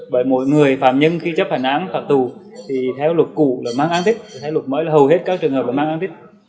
bởi mỗi người phạm nhân khi chấp hành án phạm tù thì theo luật cũ là mang án thích theo luật mới là hầu hết các trường hợp là mang án thích